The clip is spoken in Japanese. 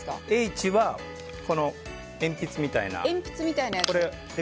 Ｈは鉛筆みたいなこれで。